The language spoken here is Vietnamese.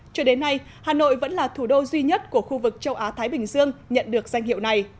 cho đến nay hà nội vẫn là thủ đô duy nhất của khu vực châu á thái bình dương nhận được danh hiệu này